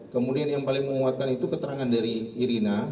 kemudian yang paling menguatkan itu keterangan dari irina